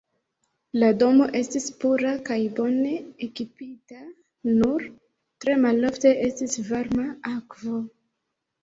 La domo estis pura kaj bone ekipita, nur tre malofte estis varma akvo.